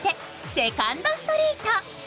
セカンドストリート。